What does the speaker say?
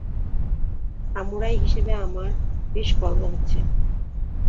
Samurai হিসেবে আমার বেশ গর্ব হচ্ছে।